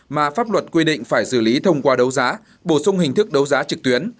mà pháp luật quy định phải xử lý thông qua đấu giá bổ sung hình thức đấu giá trực tuyến